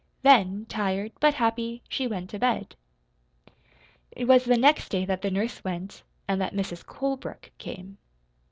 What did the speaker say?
Then, tired, but happy, she went to bed. It was the next day that the nurse went, and that Mrs. Colebrook came.